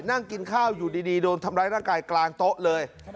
นั่งกินข้าวอยู่ดีโดนทำร้ายร่างกายกลางโต๊ะเลย